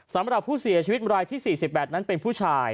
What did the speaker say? สำหรับผู้เสียชีวิตรายที่๔๘นั้นเป็นผู้ชาย